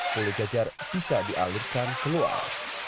pulau jajar bisa dialirkan keluar